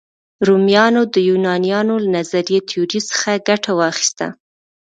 رومیانو د یونانیانو له نظري تیوري څخه ګټه واخیسته.